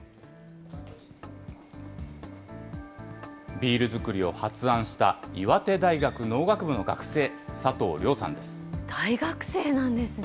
ビール造りを発案した岩手大学農学部の学生、大学生なんですね。